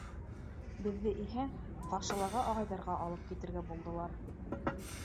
Беҙҙе иһә ҡаршылағы ағайҙарға алып китергә булдылар.